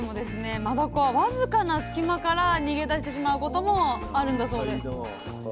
マダコは僅かな隙間から逃げ出してしまうこともあるんだそうです。